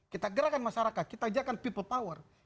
kita gerakan masyarakat kita ajakkan people power